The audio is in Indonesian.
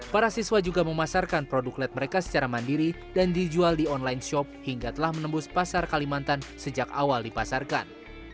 para siswa juga memasarkan produk let mereka secara mandiri dan dijual di online shop hingga telah menembus pasar kalimantan sejak awal dipasarkan